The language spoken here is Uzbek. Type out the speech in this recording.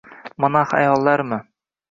Monax ayollarmi?